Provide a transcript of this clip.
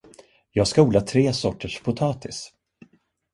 Jag ska odla tre sorters potatis.